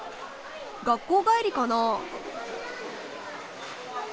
学校帰りかな？